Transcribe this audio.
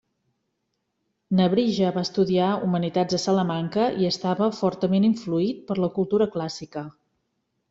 Nebrija va estudiar humanitats a Salamanca i estava fortament influït per la cultura clàssica.